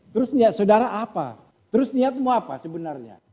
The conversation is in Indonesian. terus niat saudara apa terus niat mau apa sebenarnya